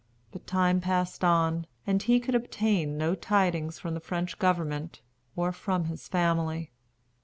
But time passed on, and he could obtain no tidings from the French government, or from his family.